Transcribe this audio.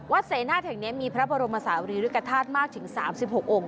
เสนาทแห่งนี้มีพระบรมศาลีริกฐาตุมากถึง๓๖องค์